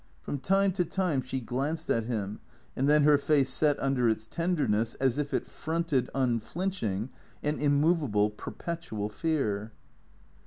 From time to time she glanced at him, and then her face set under its tenderness, as if it fronted, unflinching, an immovable, per petual fear.